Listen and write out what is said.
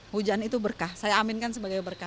hujan itu berkah saya aminkan sebagai berkah